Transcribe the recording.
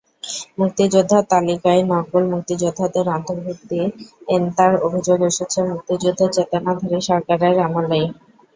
মুক্তিযোদ্ধার তালিকায় নকল মুক্তিযোদ্ধাদের অন্তর্ভুক্তির এন্তার অভিযোগ এসেছে মুক্তিযুদ্ধের চেতনাধারী সরকারের আমলেই।